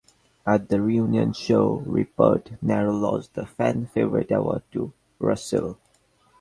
At the reunion show, Rupert narrowly lost the fan favorite award to Russell.